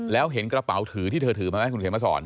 แล้วเห็นกระเป๋าถือที่เธอถือมาไหมคุณเขียนมาสอน